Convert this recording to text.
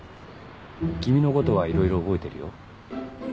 君のことはいろいろ覚えてるよ。